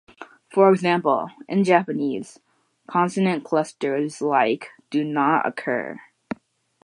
For example, in Japanese, consonant clusters like do not occur.